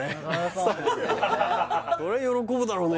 それ喜ぶだろうね